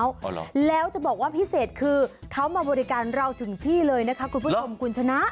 อ๋อเหรอแล้วจะบอกว่าพิเศษคือเขามาบริการเราถึงที่เลยนะคะคุณผู้ชมคุณชนะ